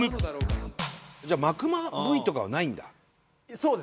じゃあ幕間Ｖとかはないんだ？